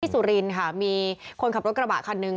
สุรินทร์ค่ะมีคนขับรถกระบะคันหนึ่ง